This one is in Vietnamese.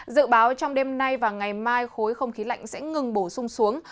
dự báo trong đêm nay và ngày mai khối không khí lạnh sẽ ngừng bổ sung xuống